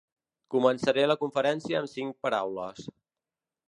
Començaré la conferència amb cinc paraules.